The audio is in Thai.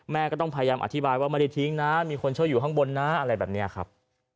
แม่ก็ต้องพยายามอธิบายว่าไม่ได้ทิ้งนะมีคนช่วยอยู่ข้างบนนะอะไรแบบนี้ครับ